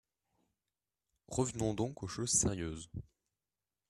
Revenons donc aux choses sérieuses.